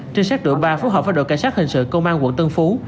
trinh sát đội ba phối hợp với đội cảnh sát hình sự công an quận tân phú